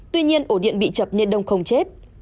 tuy nhiên ổ điện bị chập nên đông không chết